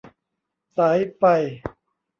สายไฟ